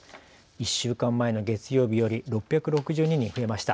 １週間前の月曜日より６６２人増えました。